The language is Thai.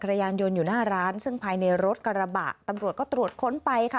ครับเสร็จแล้วหายรถที่กี่คันที่เห็นเนี่ย